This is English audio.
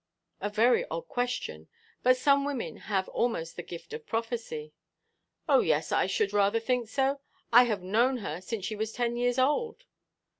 A very odd question; but some women have almost the gift of prophecy. "Oh, yes! I should rather think so. I have known her since she was ten years old."